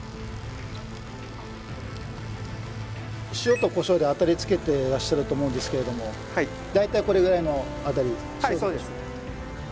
塩とコショウであたりつけてらっしゃると思うんですけれども大体これぐらいのあたりですか？